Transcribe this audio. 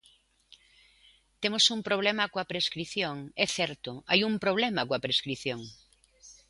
Temos un problema coa prescrición, é certo, hai un problema coa prescrición.